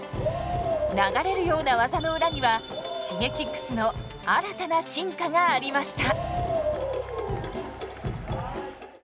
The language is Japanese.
流れるような技の裏にはＳｈｉｇｅｋｉｘの新たな進化がありました。